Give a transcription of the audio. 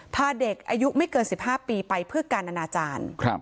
พาเด็กอายุไม่เกิน๑๕ปีไปเพื่อการอนาจารย์